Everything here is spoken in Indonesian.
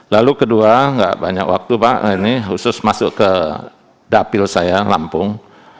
lalu kedua nggak banyak waktu pak ini khusus masuk ke dapil saya lampung